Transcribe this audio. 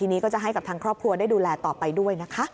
ทีนี้ก็จะให้กับทางครอบครัวได้ดูแลต่อไปด้วยนะคะ